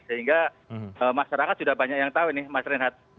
sehingga masyarakat sudah banyak yang tahu ini masrinat